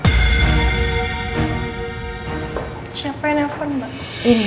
siapa yang nelfon mbak